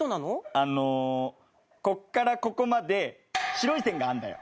あのここからここまで白い線があるんだよ。